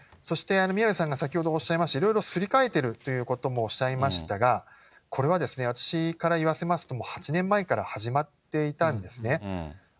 そして宮根さんが先ほどおっしゃいました、いろいろすり替えているということもおっしゃいましたが、これは私から言わせますと、８年前から始まっていたんですね。